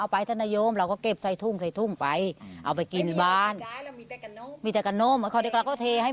ไปทำก็ทำไม